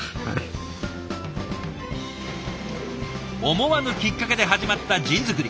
思わぬきっかけで始まったジン作り。